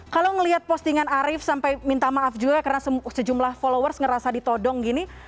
kalau melihat postingan arief sampai minta maaf juga karena sejumlah followers ngerasa ditodong gini